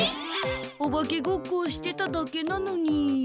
お化けごっこをしてただけなのに。